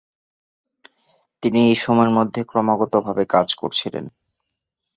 তিনি এই সময়ের মধ্যে ক্রমাগতভাবে কাজ করেছিলেন।